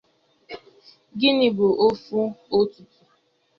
Gini bu afo otuto?